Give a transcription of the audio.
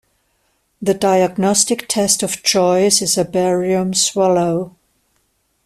The diagnostic test of choice is a barium swallow.